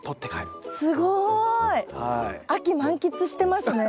すごい！秋満喫してますね。